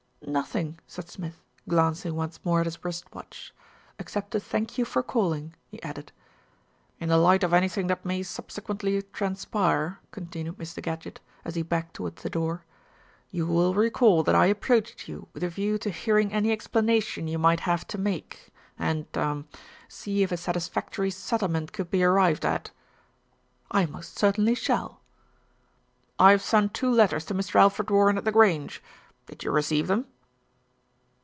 "Nothing," said Smith, glancing once more at his wrist watch, "except to thank you for calling," he added. "In the light of anything that may subsequently transpire," continued Mr. Gadgett, as he backed to wards the door, "you will recall that I approached you with a view to hearing any explanation you might have to make, and, er see if a satisfactory settlement could be arrived at." "I most certainly shall." "I have sent two letters to Mr. Alfred Warren at The Grange. Did you receive them?"